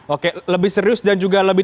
oke lebih serius dan juga lebih